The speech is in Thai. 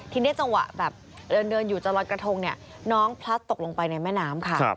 ทีนี้จังหวะแบบเดินอยู่จะลอยกระทงเนี่ยน้องพลัดตกลงไปในแม่น้ำค่ะ